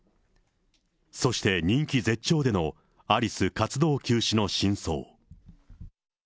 そして人気絶頂でのアリス活動休止の真相。